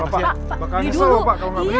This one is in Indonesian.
pakak nyesel lho pak kalau gak beli